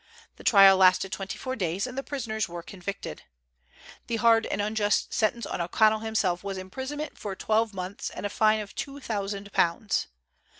The trial lasted twenty four days, and the prisoners were convicted. The hard and unjust sentence on O'Connell himself was imprisonment for twelve months and a fine of two thousand pounds.